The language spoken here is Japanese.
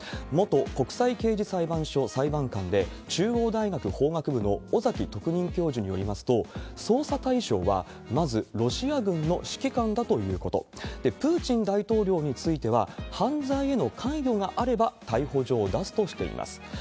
元国際刑事裁判所裁判官で、中央大学法学部の尾崎特任教授によりますと、捜査対象は、まずロシア軍の指揮官だということ、プーチン大統領については、犯罪への関与があれば、逮捕状を出すとしています。